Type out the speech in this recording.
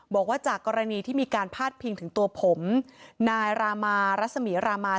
บอกว่าจากกรณีที่มีการพาดพิงถึงตัวผมนายรามารัศมีรามา